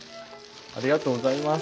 ありがとうございます。